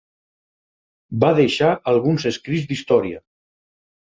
Va deixar alguns escrits d'història.